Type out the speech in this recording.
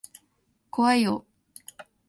怖いよ。